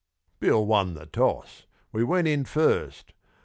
Bill won the toss, we went in first.